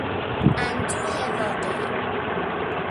اندوه واقعی